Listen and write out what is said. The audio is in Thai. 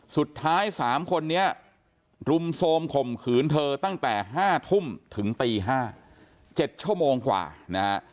สุดท้าย๓คนนี้รุมโทรมข่มขืนเธอตั้งแต่๕ทุ่มถึงตี๕๗ชั่วโมงกว่านะฮะ